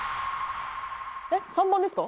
えっ３番ですか？